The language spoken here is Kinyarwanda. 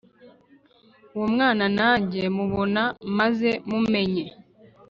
uwo mwana na njye mubone maze mumenye